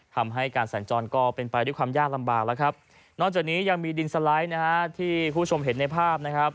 ทำให้การสัญจรก็เป็นไปด้วยความยากลำบากแล้วครับนอกจากนี้ยังมีดินสไลด์นะฮะที่คุณผู้ชมเห็นในภาพนะครับ